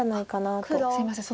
すいません。